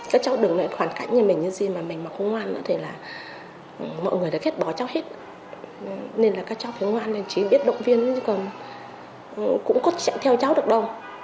các cháu đừng lại hoàn cảnh như mình như gì mà mình mà không ngoan nữa thì là mọi người đã ghét bỏ cháu hết nên là các cháu phải ngoan lại chí biết động viên chứ còn cũng có chạy theo cháu được đâu